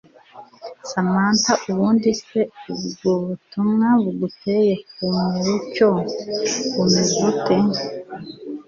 Samantha ubundi se ubwo butumwa buguteye kumerucyo bumeze ute